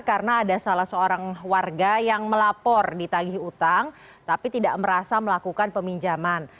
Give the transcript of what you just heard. karena ada salah seorang warga yang melapor ditagih utang tapi tidak merasa melakukan peminjaman